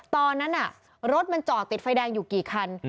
ตอนนั้นรถมันจอดติดไฟแดงอยู่กี่คัน